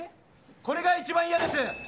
これが一番嫌です。